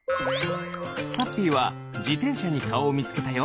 サッピーはじてんしゃにかおをみつけたよ。